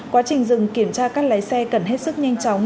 quá trình dừng kiểm tra các lái xe cần hết sức nhanh chóng